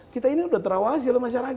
kita ini sudah terawasi oleh masyarakat